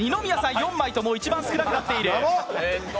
４枚で残り少なくなっている。